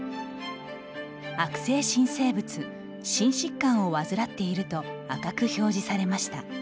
悪性新生物心疾患を患っていると赤く表示されました。